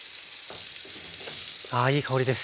ああいい香りです。